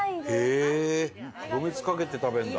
黒蜜かけて食べるんだ。